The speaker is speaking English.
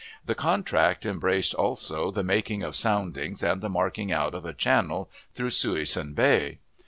The contract embraced, also, the making of soundings and the marking out of a channel through Suisun Bay.